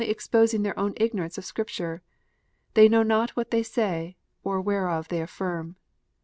exposing their own ignorance of Scripture. They know not what they say, nor whereof they affirm.